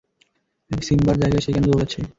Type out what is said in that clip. সিম্বার যায়গায় সে কেন দৌড়াচ্ছে?